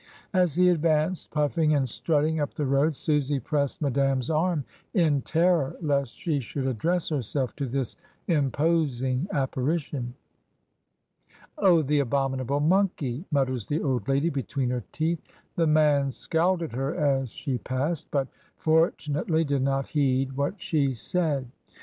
As he advanced puffing and strutting up the road, Susy pressed Madame's arm, in terror lest she should address herself to this imposing apparition. "Oh the abominable monkey," mutters the old lady between her teeth. The man scowled at her as she passed, but fortunately did ^ot heed what she said.